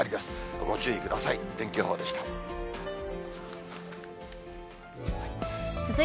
ご注意ください。